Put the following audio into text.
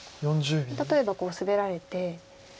例えばこうスベられて。